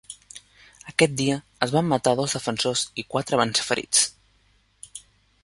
Aquest dia es van matar dos defensors i quatre van ser ferits.